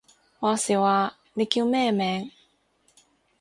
話時話，你叫咩名？